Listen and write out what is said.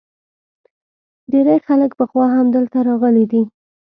ډیری خلک پخوا هم دلته راغلي دي